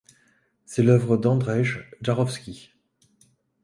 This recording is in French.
C'est l'œuvre d'Andrzej Jarodzki.